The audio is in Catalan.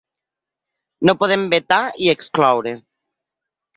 No podem vetar i excloure.